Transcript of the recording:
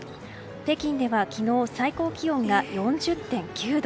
北京では昨日、最高気温が４０．９度。